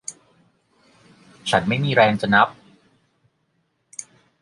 ฉันไม่มีแรงที่จะนับ